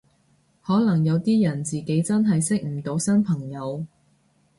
可能有啲人自己真係識唔到新朋友